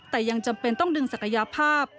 แต่ยังจำเป็นต้องดึงศักยภาพ